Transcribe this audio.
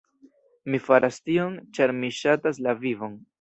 Mi faras tion, ĉar mi ŝatas la vivon!